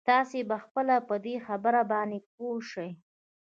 تاسې به خپله په دې خبره باندې پوه شئ.